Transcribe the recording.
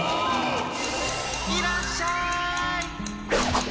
いらっしゃい！